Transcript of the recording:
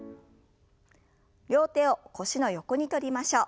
両手を腰の横に取りましょう。